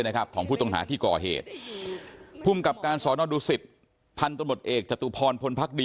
นี่ครับคุณแม่ก็ร้องไห้ไม่หยุดเลยครับ